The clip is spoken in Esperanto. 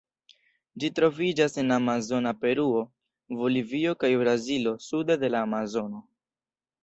Ĝi troviĝas en Amazona Peruo, Bolivio kaj Brazilo sude de la Amazono.